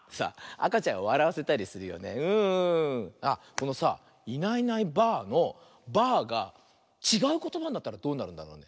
このさ「いないいないばあ！」の「ばあ」がちがうことばになったらどうなるんだろうね？